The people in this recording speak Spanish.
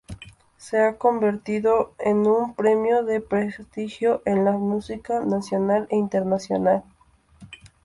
Se ha convertido en un premio de prestigio en la música nacional e internacional.